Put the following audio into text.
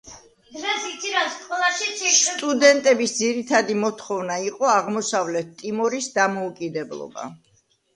სტუდენტების ძირითადი მოთხოვნა იყო აღმოსავლეთ ტიმორის დამოუკიდებლობა.